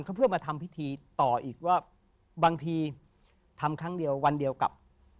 ก็เพื่อมาทำพิธีต่ออีกว่าบางทีทำครั้งเดียววันเดียวกับ